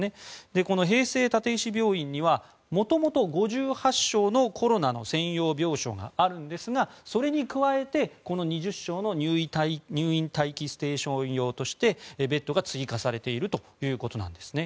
この平成立石病院には元々、５８床のコロナの専門病床があるんですがそれに加えて、この２０床の入院待機ステーション用としてベッドが追加されているということです。